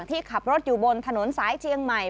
ที่ขับรถอยู่บนถนนสายเชียงใหม่